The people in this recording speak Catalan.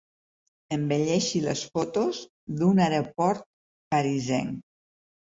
Embelleixi les fotos d'un aeroport parisenc.